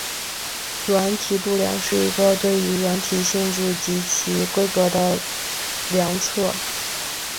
软体度量是一个对于软体性质及其规格的量测。